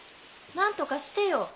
何とかしてよ。